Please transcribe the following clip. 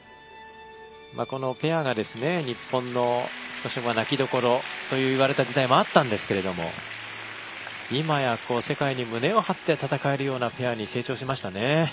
このペアが日本の少し泣きどころといわれた時代もあったんですけどいまや世界に胸を張って戦えるようなペアに成長しましたね。